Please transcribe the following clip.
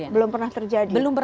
belum pernah terjadi